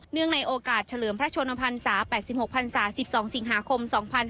เนื่องในโอกาสเฉลืมพระชนพันศา๘๖ศา๑๒สิงหาคม๒๕๖๑